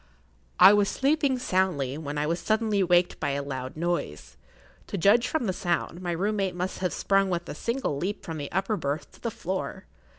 I was sleeping soundly when I was suddenly waked by a loud noise. To judge from the sound, my room mate must have sprung with a single leap from the upper berth to the floor.